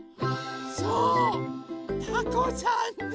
そうたこさんです。